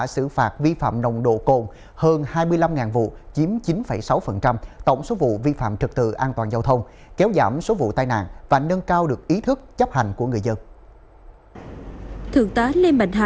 xử lý vi phạm hành chính về trật tự an toàn giao thông là hai trăm sáu mươi ba bảy trăm hai mươi ba vụ các trường hợp vi phạm